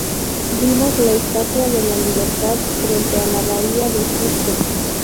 Vimos la Estatua de la Libertad frente a la bahía de Hudson